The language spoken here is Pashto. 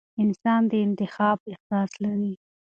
انسان د انتخاب احساس لري.